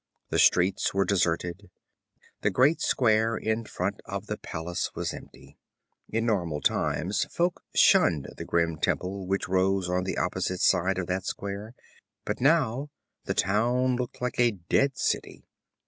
The streets were deserted, the great square in front of the palace was empty. In normal times folk shunned the grim temple which rose on the opposite side of that square, but now the town looked like a dead city.